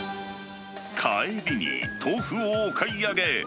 帰りに豆腐をお買い上げ。